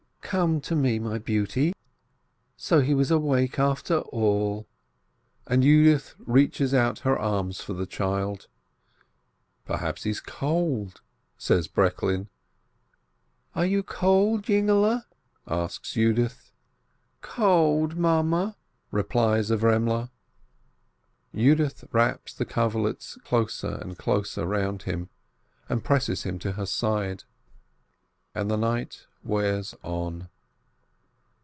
"Come to me, my beauty! So he was awake after all!" and Yudith reaches out her arms for the child. "Perhaps he's cold," says Breklin. "Are you cold, sonny?" asks Yudith. "Cold, Mame!" replies Avremele. Yudith wraps the coverlets closer and closer round him, and presses him to her side. And the night wears on.